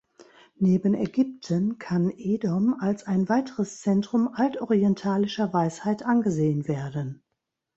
Neben Ägypten kann Edom als ein weiteres Zentrum altorientalischer Weisheit angesehen werden.